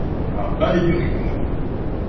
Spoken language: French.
A bas les perruques!